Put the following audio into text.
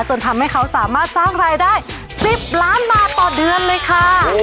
จนทำให้เขาสามารถสร้างรายได้๑๐ล้านบาทต่อเดือนเลยค่ะ